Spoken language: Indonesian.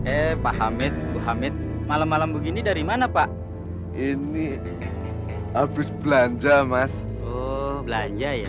eh pak hamid bu hamid malam malam begini dari mana pak ini habis belanja mas belanja ya